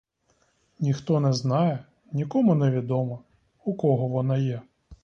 Ніхто не знає, нікому не відомо, у кого вона є!